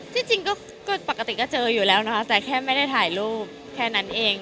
จริงก็ปกติก็เจออยู่แล้วนะคะแต่แค่ไม่ได้ถ่ายรูปแค่นั้นเอง